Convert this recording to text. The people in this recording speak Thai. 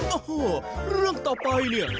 โอ้โฮเรื่องต่อไป